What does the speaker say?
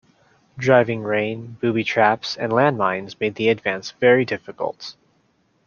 Driving rain, booby traps and land mines made the advance very difficult.